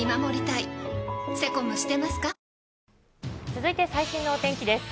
続いて最新のお天気です。